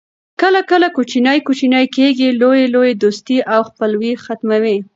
کله کله کوچنۍ کوچنۍ ګیلې لویي لویي دوستۍ او خپلوۍ ختموي